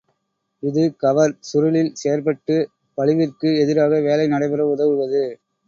இது கவர் சுருளில் செயற்பட்டுப் பளுவிற்கு எதிராக வேலை நடைபெற உதவுவது.